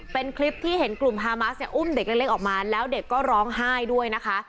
เป็นคลิปที่เห็นกลุ่มฮามาสเนี่ยอุ้มเด็กเล็กออกมาแล้วเด็กก็ร้องไห้ด้วยนะคะ